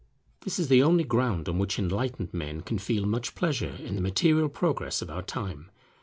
This is the only ground on which enlightened men can feel much pleasure in the material progress of our own time.